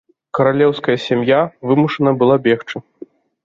Каралеўская сям'я вымушаная была бегчы.